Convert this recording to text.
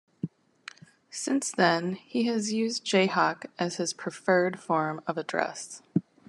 Since then, he has used "Jayhawk" as his preferred form of address.